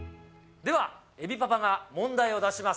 では、えびパパが問題を出します。